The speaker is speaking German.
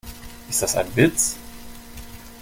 Ist das ein Witz?